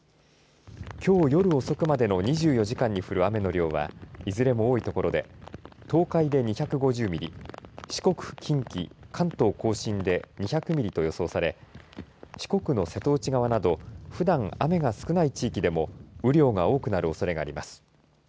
きょう夜遅くまでの２４時間に降る雨の量はいずれも多い所で東海で２５０ミリ四国、近畿関東甲信で２００ミリと予想され四国の瀬戸内側などふだん雨が少ない地域でも雨量が多くなるおそれがあります。